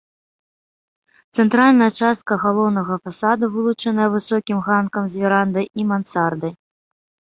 Цэнтральная частка галоўнага фасада вылучаная высокім ганкам з верандай і мансардай.